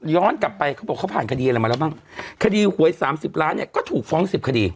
กลับไปเขาบอกเขาผ่านคดีอะไรมาแล้วบ้างคดีหวยสามสิบล้านเนี่ยก็ถูกฟ้องสิบคดี